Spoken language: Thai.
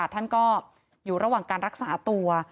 ท่านก็อยู่ระหว่างการรักษาตัว